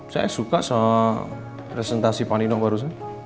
saya suka sama presentasi pak nino barusan